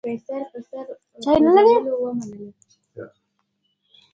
ويم خسر خو دې دفتر کې نه و رخصت يې اخېستی.